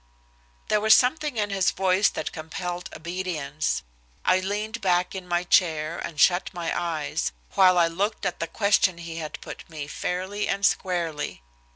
There was something in his voice that compelled obedience. I leaned back in my chair and shut my eyes, while I looked at the question he had put me fairly and squarely.